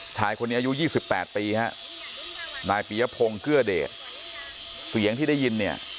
ชายคนนี้อายุยี่สิบแปดปีฮะนายปียะพงเกลือเดเสียงที่ได้ยินเนี้ย